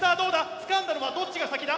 つかんだのはどっちが先だ？